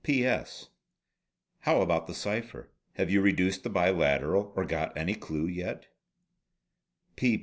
"P.S. How about the cipher; have you reduced the biliteral, or got any clue yet?